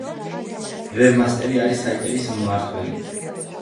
ვებ-მასტერი არის საიტების „მმართველი“.